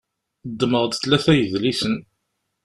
Ddmeɣ-d tlata n yidlisen.